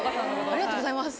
ありがとうございます。